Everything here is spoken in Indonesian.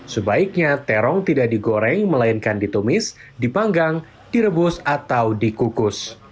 sebaiknya terong tidak digoreng melainkan ditumis dipanggang direbus atau dikukus